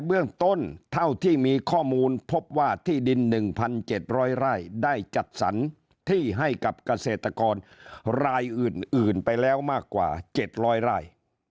เบื้องต้นเท่าที่มีข้อมูลพบว่าที่ดิน๑๗๐๐ไร่ได้จัดสรรที่ให้กับเกษตรกรรายอื่นไปแล้วมากกว่า๗๐๐ไร่